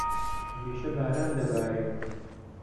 هەمیشە باران دەبارێت.